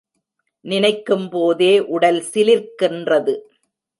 நினைக்கும்போதே உடல் சிலிர்க்கின்றது.